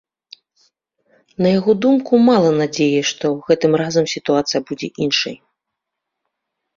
На яго думку, мала надзеі, што гэтым разам сітуацыя будзе іншай.